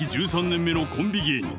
１３年目のコンビ芸人